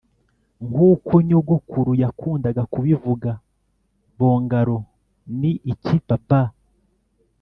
nkuko nyogokuru yakundaga kubivuga!'bongaloo ni iki, papa?'